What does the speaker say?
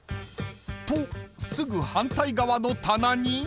［とすぐ反対側の棚に］